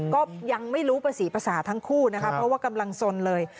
ก็ยังไม่รู้ประสีภาษาทั้งคู่นะคะเพราะว่ากำลังสนเลย